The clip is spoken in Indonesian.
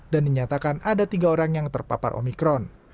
dan dinyatakan ada tiga orang yang terpapar omikron